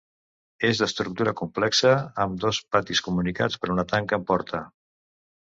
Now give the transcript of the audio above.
És d'estructura complexa, amb dos patis comunicats per una tanca amb porta.